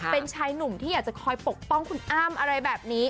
เป็นชายหนุ่มที่อยากจะคอยปกป้องคุณอ้ำอะไรแบบนี้